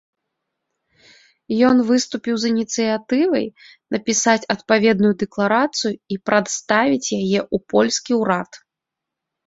Ён выступіў з ініцыятывай напісаць адпаведную дэкларацыю і прадставіць яе ў польскі ўрад.